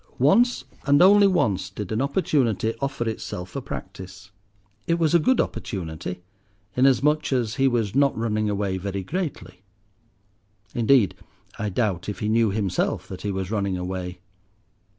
Once and only once did an opportunity offer itself for practice. It was a good opportunity, inasmuch as he was not running away very greatly. Indeed, I doubt if he knew himself that he was running away.